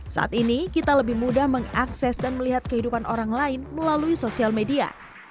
saat ini kita lebih mudah mengakses dan melihat kehidupan orang lain melalui sosial media